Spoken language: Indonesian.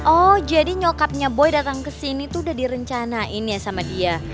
oh jadi nyokapnya boy datang ke sini tuh udah direncanain ya sama dia